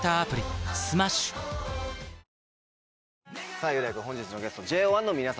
さぁ雄大君本日のゲストＪＯ１の皆様